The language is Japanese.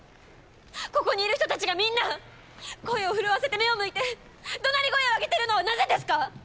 ここにいる人たちがみんな声を震わせて目をむいて怒鳴り声を上げているのはなぜですか！？